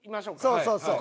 そうそうそう。